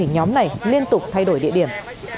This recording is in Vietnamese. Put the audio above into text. nhóm này liên tục thay đổi địa điểm